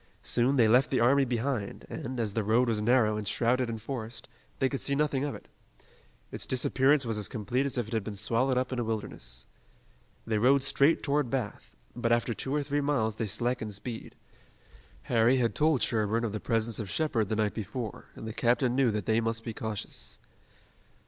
Soon they left the army behind, and, as the road was narrow and shrouded in forest, they could see nothing of it. Its disappearance was as complete as if it had been swallowed up in a wilderness. They rode straight toward Bath, but after two or three miles they slackened speed. Harry had told Sherburne of the presence of Shepard the night before, and the captain knew that they must be cautious.